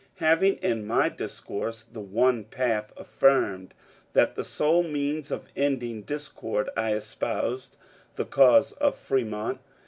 Hav ing in my discourse ^^ The One Path *' affirmed that the sole means of ending discord, I espoused the cause of Fremont.